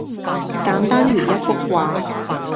簡單如一幅畫